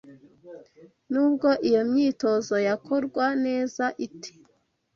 nubwo iyo myitozo yakorwa neza ite